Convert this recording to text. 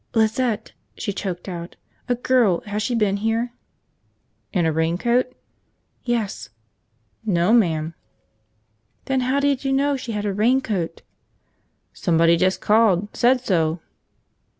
"Lizette," she choked out. "A girl! Has she been here?" "In a raincoat?" "Yes!" "No, ma'am." "Then how did you know she had a raincoat?" "Somebody just called. Said so."